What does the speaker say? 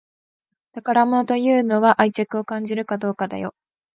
宝物というのは愛着を感じるかどうかだよ